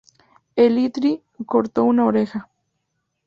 El Litri cortó una oreja.